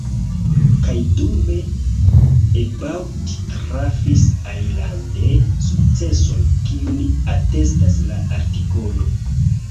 Kaj dume About trafis alilande sukceson, kiun atestas la artikolo.